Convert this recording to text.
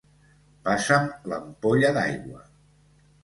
Passa'm l'ampolla d'aigua